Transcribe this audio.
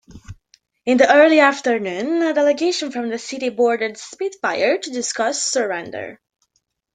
In the early afternoon, a delegation from the city boarded "Spitfire" to discuss surrender.